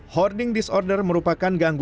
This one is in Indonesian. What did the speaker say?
hoarding disorder merupakan gangguan